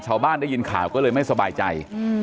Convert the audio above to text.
ชาวบ้านได้ยินข่าวก็เลยไม่สบายใจ